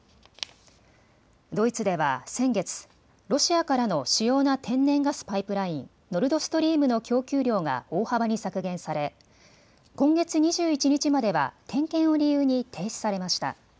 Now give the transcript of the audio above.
ドイツでは先月、ロシアからの主要な天然ガスパイプライン、ノルドストリームの供給量が大幅に削減され今月２１日までは点検を理由に停止されました。